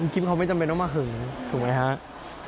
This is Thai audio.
คลิปเขาไม่จำเป็นต้องมาหึงถูกไหมครับ